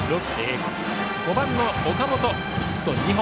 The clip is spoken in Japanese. ５番の岡本、ヒット２本。